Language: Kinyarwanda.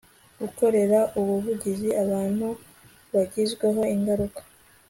gukorera ubuvugizi abantu bagizweho ingaruka